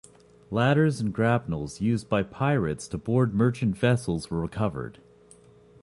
Ladders and grapnels used by pirates to board merchant vessels were recovered.